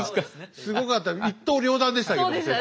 すごかった一刀両断でしたけども先生。